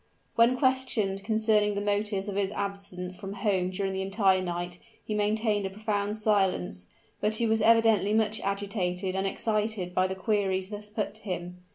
When questioned concerning the motives of his absence from home during the entire night he maintained a profound silence; but he was evidently much agitated and excited by the queries thus put to him.